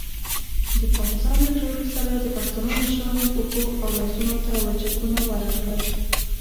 د پاکستان له جوړښت سره د پښتنو مشرانو پښو او لاسونو ته ولچکونه ورغلل.